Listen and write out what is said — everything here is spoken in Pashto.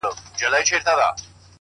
• اوس هره شپه سپينه سپوږمۍ؛